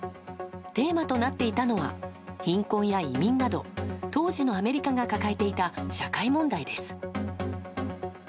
テーマとなっていたのは貧困や移民など当時のアメリカが抱えていた社会問題です。